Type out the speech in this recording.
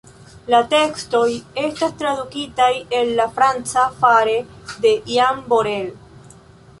La tekstoj estas tradukitaj el la franca fare de Jean Borel.